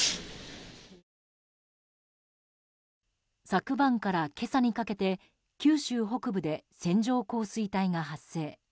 昨晩から今朝にかけて九州北部で線状降水帯が発生。